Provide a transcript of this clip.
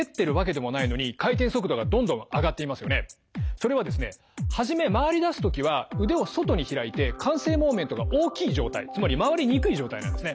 それはですね始め回りだす時は腕を外に開いて慣性モーメントが大きい状態つまり回りにくい状態なんですね。